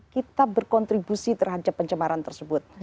kita berkontribusi terhadap pencemaran tersebut